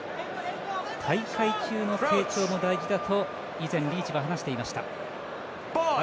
大会中の成長も大事だと以前リーチも話していました。